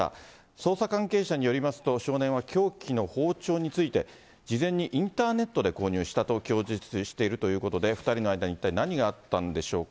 捜査関係者によりますと、少年は凶器の包丁について、事前にインターネットで購入したと供述しているということで、２人の間に一体何があったんでしょうか。